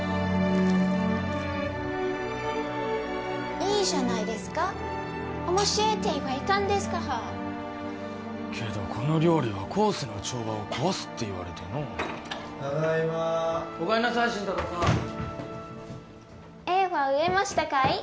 ・いいじゃないですかおもっしぇえって言われたんですからけどこの料理はコースの調和を壊すって言われてのうただいまお帰んなさい新太郎さん絵は売れましたかい？